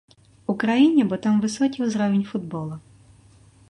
Украіне, бо там высокі ўзровень футбола.